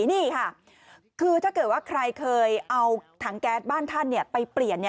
นี่ค่ะคือถ้าเกิดว่าใครเคยเอาถังแก๊สบ้านท่านไปเปลี่ยน